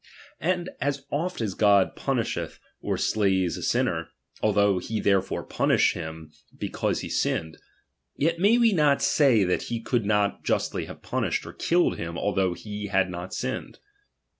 And as oft as God punisheth or slays a sinner, although he therefore punish him because he sinned, yet may we not say that he could not justly have punished or killed him although he had not sinned.